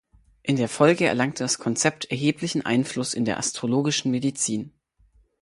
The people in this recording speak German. In der Folge erlangte das Konzept erheblichen Einfluss in der astrologischen Medizin.